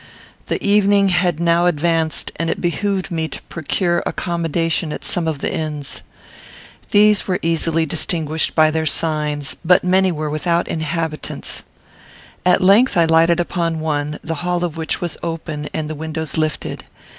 The evening had now advanced, and it behooved me to procure accommodation at some of the inns. These were easily distinguished by their signs, but many were without inhabitants. At length I lighted upon one, the hall of which was open and the windows lifted.